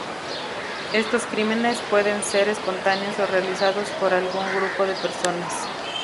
Estos crímenes pueden ser espontáneos o realizados por algún grupo de personas.